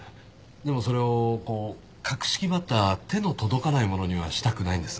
でもそれをこう格式張った手の届かないものにはしたくないんです。